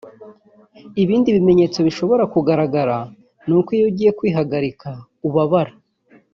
Ibindi bimenyetso bishobora kugaragara ni uko iyo ugiye kwihagarika ubabara